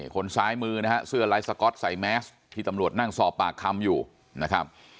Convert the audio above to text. คนซ้ายมือนะฮะเสื้อลายสก๊อตใส่แมสที่ตำรวจนั่งสอบปากคำอยู่นะครับ